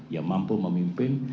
ya mampu memimpin